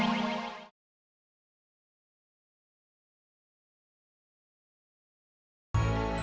jangan bolak balik aja tuh ce lagi dipel